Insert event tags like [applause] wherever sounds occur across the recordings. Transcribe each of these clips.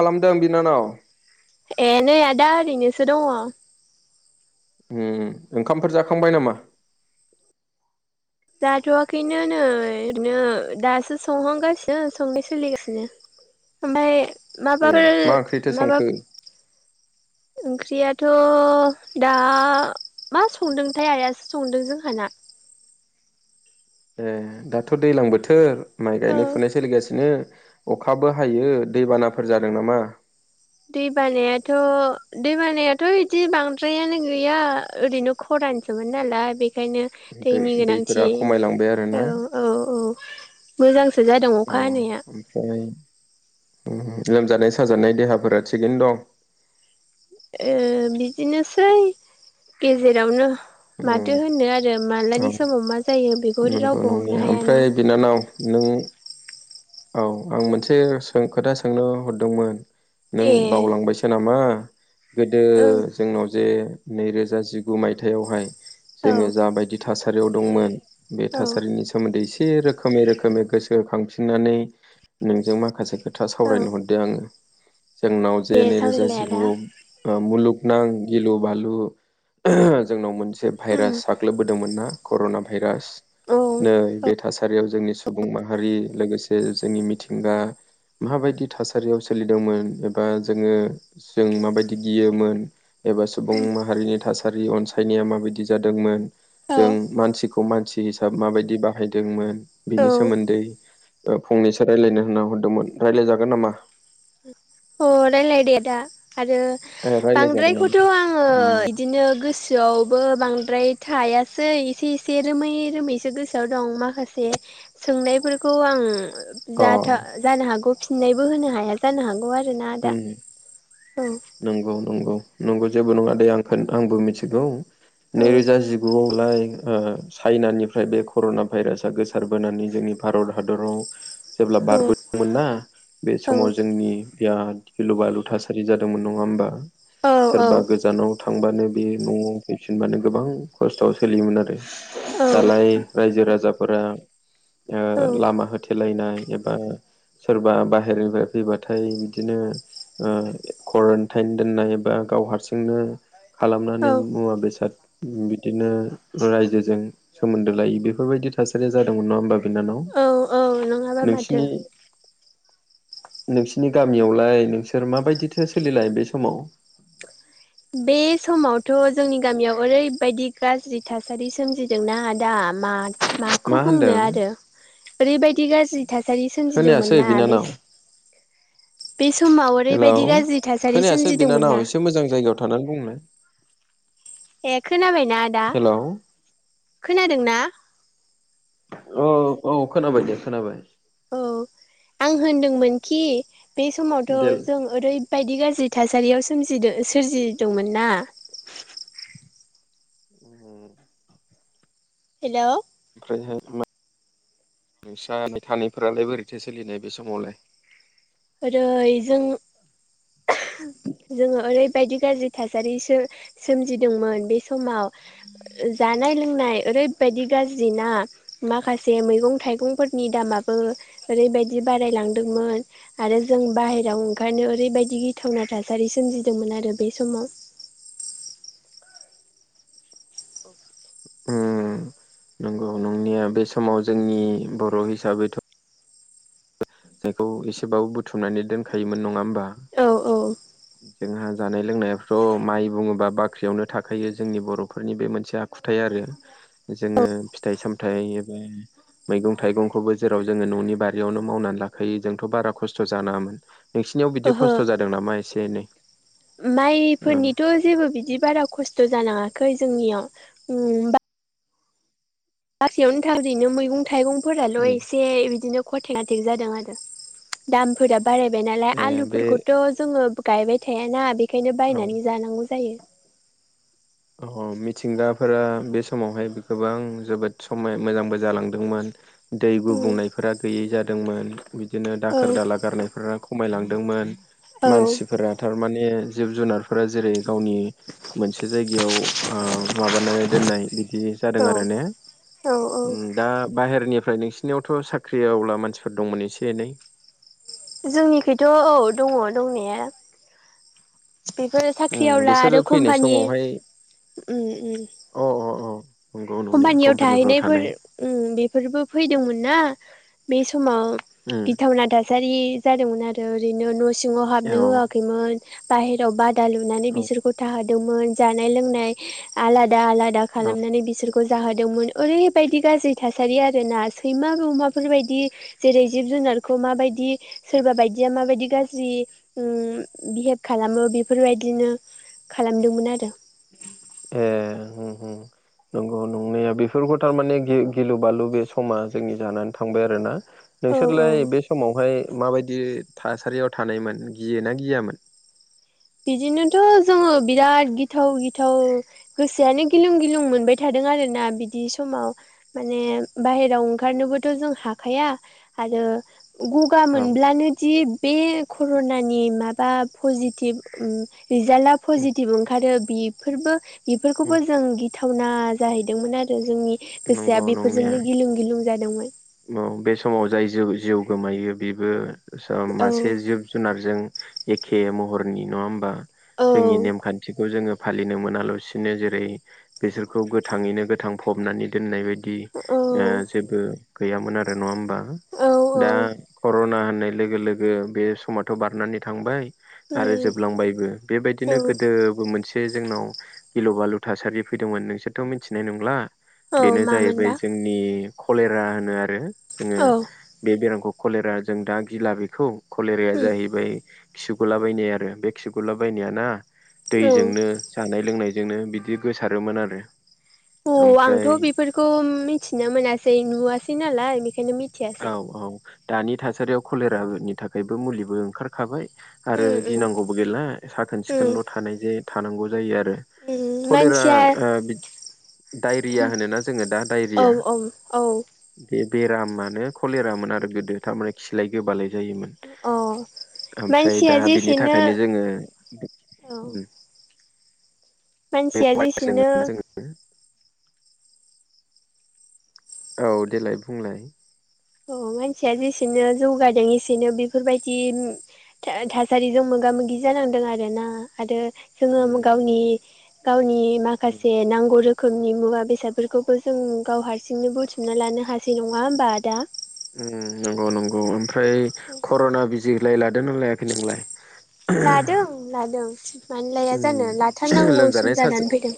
खालामदों बिनानाव ए नै आदा ओरैनोसो दङ उम ओंखामफोर जाखांबाय नामा जाथ'वाखैनो नै ओरैनो दासो संहांगासिनो संनाय सोलिगासिनो ओमफाय माबा ए राइल मा ओंख्रिथो माबा संखो ओंख्रिया थ' दा मा संदोंथाय आयासो संदों जोंहाना ए दाथ' दैज्लां बोथोर माइ औ गायनाय फुनाय सोलिगासिनो अखाबो हायो दैबानाफोर जादों नामा? दै बानायाथ' दै बानायाथ' बिदि बांद्रायानो गैया ओरैनो खर रानसोमोन नालाय बे बेखायनो दै दैनि दैफोरा गोनांथि खमायलांबाय आरोना औ औ औ मोजांसो जादों अखा हानाया उम लोमजानाय साजानाय देहाफोरा थिगैनो दं? ओ बिदिनोसै गेजेरावनो उम माथो होनो आरो औ मालानि समाव मा जायो बे नंगौ नंगौ ओमफ्राय बिनानाव नों औ आं मोनसे खोथा सोंनो हरदोंमोन नों ए बावलांबायसो नामा गोदो ओ जोंनाव जे नैरोजा जिगु मायथाइयावहाय जोङो औ जाबायदि थासा थासारियाव दंमोन बे औ थासारिनि सोमोन्दै एसे रोखोमै रोखोमै गोसो खां नानै नोंजों माखासे खोथा औ सावरायनो हरदो आङो जोंनाव जे दे नैरोजा सावरायलाय आदा जिगुआव ओ मुलुग नां गिलु बालु ओह जोंनाव मोनसे उम भाइरास साग्लोबबोदोंमोन ना कर'ना भाइरास औ नै बे थासारियाव जोंनि सुबुं माहारि लोगोसे जोंनि मिथिंगा माबायदि थासारियाव सोलिदोंमोन एबा जोङो जों माबायदि गियोमोन एबा सुबुं माहारिनि थासारि अनसायनाया माबायदि जादोंमोन जों औ मानसिखौ खौ मानसि हिसाब माबायदि बाहायदोंमोन औ बिनि सोमोन्दै फंनैसो रायज्लायनो होनना हरदोंमोन रायलायजागोन नामा औ राइलाय दे आदा आरो ए रायलायजागोन बांद्रायखौथ' नामा? आङो उम बिदिनो गोसोआवबो बांद्राय थायासै एसे एसे रोमै रोमैसो गोसोआव दं माखासे सोंनाय फोरखौ आं अ जाहाथा जानो हागौ फिनायबो होनो हाया जानो हागौ आरो नंगौ नंगौ नंगौ नंगौ जेबो नङा दे आं आंबो मिथिगौ नैरोजा औ जिगुआव दालाय चाइनानिफ्राय बे कर'ना भाइरासाआ गोसारबोनानै जोंनि भारत हादराव जेब्ला औ बारबोदोंमोन ना बे औ समाव जोंनि बिराद गिलु बालु थासारि जादोंमोन नङा होमबा औ सोरबा गोजानाव थांबानो बे न'आव फैफिनबानो गोबां खस्थ'आव सोलियोमोन आरो औ दालाय रायजो राजा फोरा औ लामा होथेलायनाय एबा सोरबा बाहेरनिफ्राय फैबाथा थाय बिदिनो ओ कारेेनटाइन दोननाय बा गाव हारसिंनो खालामनानै औ मुवा बेसाद बिदिनो रायजोजों सोमोन्दो लायि बेफोरबायदि थासारिया जादोंमोन नङा होमबा? बिनानाव औ औ नङाबा माथो नोंसिनि नोंसिनि गामियावलाय नोंसोर माबायदिथो सोलिलाय बे समाव? बे समावथ' जोंनि गामियाव ओरैबायदि गाज्रि थासारि सोमजिदोंना आदा। मा मा माखौ मा होनदों बुंनो आरो ओरैबायदि गाज्रि थासारि खोनायासै सोमजिदोंमोनना बे बिनानाव स हेलौ थासारि खोनायासै सोमजिदोंमोन ना बिनानाव एसे मोजां जायगायाव थानानै बुंनाय। ए खोनाबायना आदा औ खोनादोंना? औ औ खोनाबाय दे खोनाबाय। औ आं होनदोंमोनखि बे देल समावथ' जों ओरैबायदि गाज्रि थासारियाव सोमजिदो सोरजिदोंमोन ना। [inaudible] हेल' है हैत मा नोंस्रा बिथानिफोरालाय बोरैथो सोलिनाय बे समावलाय? ओरै जों [inaudible] जोङो ओरैबायदि गाज्रि थासारिसो सोमजिदोंमोन बे समाव। जानाय लोंनाय ओरैबायदि गाज्रिना माखासे मैगं थाइगंफोरनि दामा बो ओरैबायदि बारायलांदोंमोन। आरो जों बाहेराव ओंखारनायाव ओरैबायदि गिथावना थासारि सोमजिदोंमोन आरो बे समाव। [inaudible] उम नंगौ नंनाया बे समाव जोंनि बर' हिसाबैथ' जायखौ एसेबाबो बुथुमनानै दोनखायोमोन नङा होमबा? औ औ। जोंहा जानाय लोंनायाबोथ' माइ बुङोबा बाख्रियावनो थाखायो जोंनि बर'फोरनि बे मोनसे आखुथाय आर रो जोङो फिथाइ सामथाइ बा मैगं थाइगंखौबो जेराव जोङो न'नि बार बियावनो मावनानै लाखायो जोंथ' बारा खस्थ' जानाङामोन। नोंसिनियाव बिदि ओहो खस्थ' जादों नामा एसे एनै? ओ माइफोरनिथ' जेबो बिदि बारा खस्थ' जानाङा खै जोंनियाव उम बा [unintelligible] मैगं थाइगंफोराल' एसे बिदिनो कटे नाटेक जादों आरो दामफोरा बारायबाय नालाय ए बे आलुफोरखौथ' जोङो गायबाय थायाना बेखायनो औ बायनानै जानांगौ जायो। अ मिथिंगाफोरा बे समावहाय गोबां जोबोद समाय मोजांबो जालांदोंमोन। दै उम गुबुंनायफोरा गैयै जादोंमोन बिदिनो औ दाखोर दाला गारनायफोरा खमायलांदोंमोन। औ मानसिफोरा थारमाने जिब जुनारफोरा जेरै गावनि मोनसे याव ओ माबानानै दोननाय बिदि जादों औ आरो ने? औ औ उम दा बाहेरनिफ्राय नोंसिनियावथ' साख्रि आब्ला मानसिफोर दंमोन एसे एनै? जोंनिखैथ' औ दङ दंनाया। बेफोर उम साख्रिआव ला आरो बिसोरो फैनाय कम्पानि समावहाय उम उम अ अ अ नंगौ नंनाया कम्पानियाव कम्पानिफ्राव थाहैनायफोर थानाय उम बेफोरबो फैदोंमोन ना बे स समाव उम गिथावना थासारि जादोंमोन आरो ओरैनो न' सिङाव हाबनो औ होआखैमोन। बाहेराव बादा लुनानै औ बिसोरखौ थाहोदोंमोन जानाय लोंनाय आला दा आलादा औ खालामनानै बिसोरखौ खौ जादोंमोन ओरैबायदि गाज्रि थासारि आरो ना सैमा बे अमाफोरबायदि जेरै जिब जु जुनारखौ माबायदि सोरबा बायदिया माबायदि गाज्रि उम बिहेभ खालामो बेफोर बेबायदिनो खालामदोंमोन आरो। ए होम होम नंगौ नंनाया बेफोरखौ थारमाने गि-गिलु बालु बे समा जोंनि जानानै थांबाय आरो ना। औ औ नोंसोरलाय बे समावहाय माबायदि थासारियाव थानायमोन गियो ना गियामोन? बिदिनोथ' जोङो बिराद गिथाव गिथाव गोसोआानो गिलुं गिलुं मोनबाय थादों आरोना बिदि समाव माने बायहेराव ओंखारनोबोथ' जों हाखाया आरो गगा औ मोनब्लानोदि बे कर'नानि माबा पजिटिभ ओम रिजाल्टा उम पजिटिभ ओंखारो बेफोरबो उम बेफोरखौबो जों गिथावना जाहैदोंमोन आरो जोंनि गोसोआ नंगौ नंनाया बेफोरजोंनो गिलुं गिलुं जादोंमोन। औ बे समाव जाय जि जिउ गोमायो बेबो औ मासे जिब जुनारजों एखे महरनि नङा होमबा औ जोंनि नेमखान्थिखौ जोङो फालिनो मोनालासिनो जेरै बिसोरखौ गोथाङैनो गोथां फबनानै दोननाय बायदि ओ जेबो गैयामोन नङा होनबा औ दा औ कर'ना लोगो लोगो बे समाथ' बारनानै थांबाय । आरो जोबलांबायबो बेबायदिनो गोदोबो मोनसे से जोंनाव गिलु बालु थासारि फैदोंमोन। नोंसोरथ' मिथिनाय नंला औ बेनो जाहैबाय मामोनबा जोंनि कलेरा होनो आरो जोङो औ बे बेरामखौ । कलेरा जों दा गिला बेखौ कलेराया उम जाहैबाय खिगुला बायनाय आरो बे खिगुला बायनाय ना औ दैजोंनो जानाय लोंनाय नो बिदि गोसारोमोन आरो। औ आंथ' ओमफ्राय बेफोरखौ मिथिनो मोनासै नुवासै नालाय बेखायनो औ मिथियासेै । औ दानि थासारियाव कलेरानि थाखायबो मुलिबो ओंखारखाबाय। आरो उम उम गिनांगौबो गैला साखोन उम सिखोनल' थानायजो थानांगौ जायो आरो उम कलेरा मानसिया ओ डायरिया होनोना जोङो दा औ डायरिया औ औ बे बेरामानो कलेरामोन आरो गोदो थारमाने खिलाय गोबालाय जायोमोन अ ओमफ्राय मानसिया दा बिनि जेसेनो थाखायनो जोङो औ। मानसिया जेसेनो जोङो औ देलाय बुंलाय। अ मानसिया जेसेनो जौगादों एसेनो बेफोरबायदि थासारिजों मोगा मोगि जानांदों आरोना आरो जोङो गावनि गावनि माखासे नांगौ रो खोमनि मुवा बेसादफोरखौबो जों गाव हारसिंनो बुथुमना लानो हासै। नङा होमबा आदा? उम नंगौ नंगौ ओमफ्राय कर'ना बिजिलाय लादों ना लायाखै नोंलाय? लादों लादों। मानोलाया जानो लाथारनांगौ लोमजानाय सम साजा जानानै फैदों।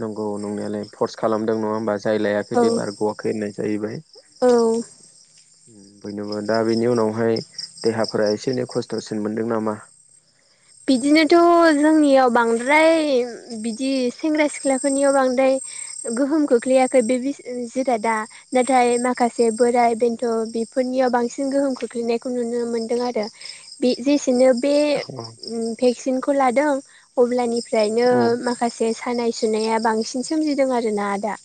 नंगौ नंनायालाय फर्स खालामदों नङा होमबा। जाय लायाखै औ बे बारग'वाखै होननाय जाहैबाय। औ बयनोबो दा बेनि उनावहाय देहाफोरा एसे एनै खस्थ'सिन मोनदों नामा? [inaudible] बिदिनोथ' जोंनियाव बांद्राय बिदि सेंग्रा सिख्लाफोरनियाव बांद्राय गोहोम खोख्लैयाखै बे जिरादा नाथाय माखासे बोराय बेन्थ' बेफोरनियाव बांसिन गोहोम खोख्लैनायखौ नुनो मोनदों आरो बे जेसेनो बे औ भेक्सिनखौ लादों अब्लानिफ्रायनो माखासे बे सानाय सुनाया बांसिन सोमजिदों आरोना आदा।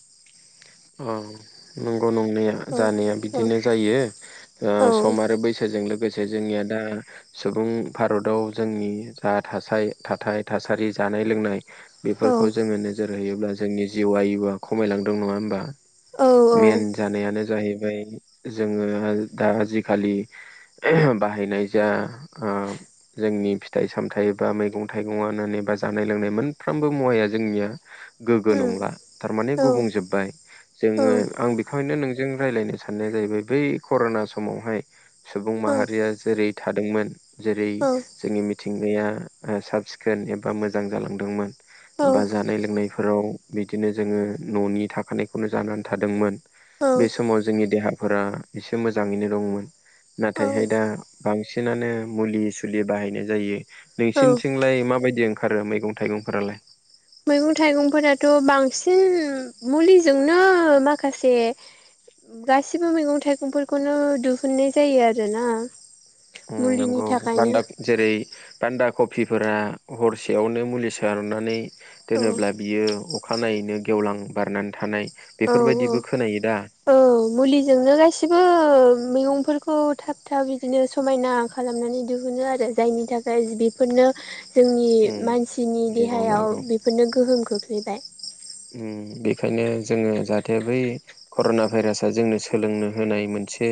ओ नं गौ नंनाया औ जानाया बिदिनो जायो ओ औ सम आरो बैसोजों लोगोसे जोंनिया दा सुबुं भारताव जोंनि जा थासाय थाथाय थासारि जानाय जानाय लोंनाय बेफोरखौ औ जोङो नोजोर होयोब्ला जोंनि जिउ आयुआ खमायलांदों नङा होमबा। औ औ मेन जानायानो जाहैबाय ओफ्राय जोङो दा आजिखालि बाहायनाय जा ओ जोंनि फिथाइ सामथायाइ बा मैगं थाइगं आनो बा जानाय लोंनाय मोनफ्रोमबो मुवाया जोंनिया औ गोगो नंला थारमाने गुबुंजोबबाय जोङो आं बेखौ नोंजों रायज्लायनो साननाया जाहैबाय बै कर'ना समावहाय सुबुं माहारिया जेरै थादोंमोन जेरै औ जोंनि मिथिंगाया ओ साब सिखोन एबा मोजां जालांदोंमोन। बा जानाय लोंनायफोराव बिदिनो जोङो न'नि थाखानायखौनो जानानै थादोंमोन। बे औ समाव जोंनि देहाफोरा एसे मोजाङैनो दंमोन। औ नाथायहाय दा बांसिनानो मुलि सुलि बाहायनाय जायो। औ नोंसिनिथिंलाय माबायदि ओंखारो मैगं थाइगंफोरालाय मैगं थाइगंफोराथ' बांसिन मुलिजोंनो माखासे गाससिबो मैगं थाइगंफोरखौनो दिहुननाय जायो आरोना। उम मुलिनि नंगौ थाखायनो बान्दा जेरै बान्दा कबिफोरा हरसेयावनो मुलि सारनानै औ दोनोब्ला बियो अखानायैनो गेवलां बारनानै थानाय औव बेफोरबायदिबो खोनायो दा औव औव मुलिजोंनो गाससिबो मैगं फोरखौ थाब थाब बिदिनो समायना खालामनानै दिहुनो आरो जायनि थाखाय बेफोरनो जोंनि उम मानसिनि नंगौ देहायाव नंगौ बेफोरनो गोहोम खोख्लैबाय उम बेखायनो जोङो जाहाथे बै कर'ना भाइरासाआ जोंनो सोलोंनो होनाय मोनसे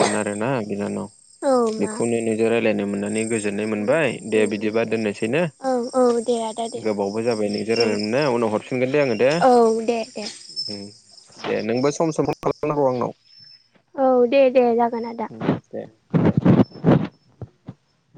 मोन आरोसमोन बिनानाव औ मा बेखौनो नोंजों रायलायनो मोननानै गोजोननाय उम मोनबाय दे उम उम बिदिबा दोननोसैनो औ औ दे आदा दे गोबावबो जाबाय नोंजों औ रायनाय उनाव हरफिनगोन। मोनगोन दे आङो दे औ दे दे उम दे नोंबो सम सम खालामनांगौ आंनाव। औव दे दे जागोन आदा। दे